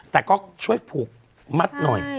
แต่ก็ช่วยผูกมัดหน่อย